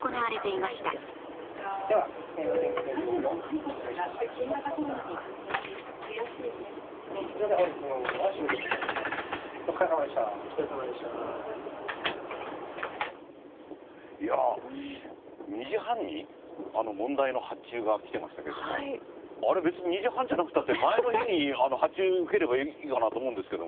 いやあ２時半に問題の発注が来てましたけれどもあれ別に２時半じゃなくたって前の日に発注を受ければいいかなと思うんですけども。